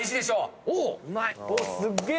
すっげえ！